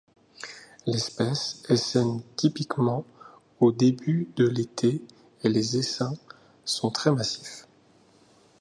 L'espèce essaime typiquement au début de l'été et les essaims sont très massifs.